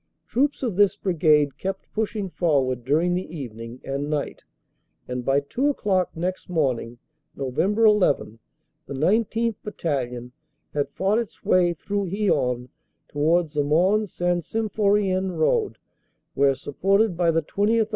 Troops of this Brigade kept pushing forward during the evening and night, and by two o clock next morning, Nov. 11, the 19th. Battalion had fought its way through Hyon towards the Mons St. Sym phorien road, where, supported by the 20th.